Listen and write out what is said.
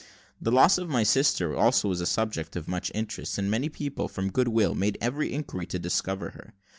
The loss of my sister also was a subject of much interest, and many people, from good will, made every inquiry to discover her.